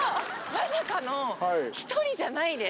まさかの１人じゃないです。